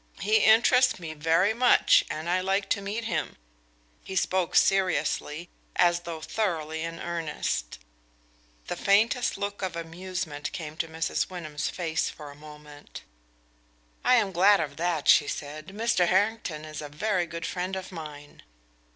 "He interests me very much, and I like to meet him." He spoke seriously, as though thoroughly in earnest. The faintest look of amusement came to Mrs. Wyndham's face for a moment. "I am glad of that," she said; "Mr. Harrington is a very good friend of mine.